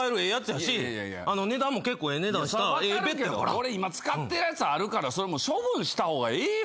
俺今使ってるやつあるからそれもう処分した方がええよ。